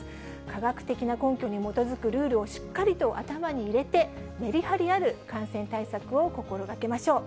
科学的な根拠に基づくルールをしっかりと頭に入れて、メリハリある感染対策を心がけましょう。